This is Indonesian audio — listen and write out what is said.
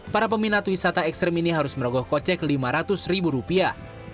para peminat wisata ekstrim ini harus merogoh kocek lima ratus ribu rupiah